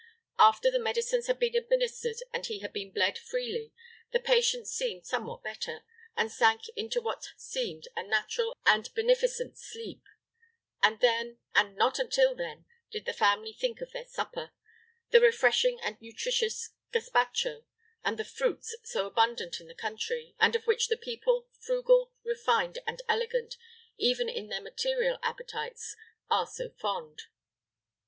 After the medicines had been administered and he had been bled freely, the patient seemed somewhat better, and sank into what seemed a natural and beneficent sleep; and then, and not until then, did the family think of their supper, the refreshing and nutritious gaspacho, and the fruits, so abundant in the country, and of which the people, frugal, refined, and elegant, even in their material appetites, are so fond.